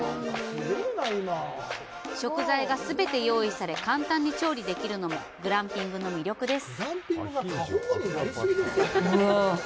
食材が全て用意され、簡単に調理できるのもグランピングの魅力です。